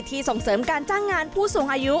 ส่งเสริมการจ้างงานผู้สูงอายุ